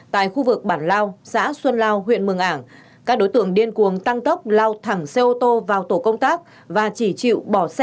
tại khu vực bản lao xã xuân lao huyện mường ảng các đối tượng điên cuồng tăng tốc lao thẳng xe ô tô vào tổ công tác và chỉ chịu bỏ xe